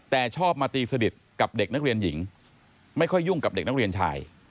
แต่ชอบมาตีสนิทกับเด็กนักเรียนหญิงไม่ค่อยยุ่งกับเด็กนักเรียนชาย